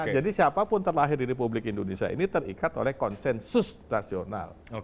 jadi siapapun terlahir di republik indonesia ini terikat oleh konsensus rasional